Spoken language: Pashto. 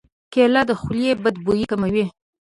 کېله د خولې بد بوی کموي.